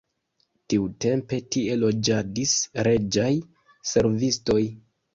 Tiutempe tie loĝadis reĝaj servistoj.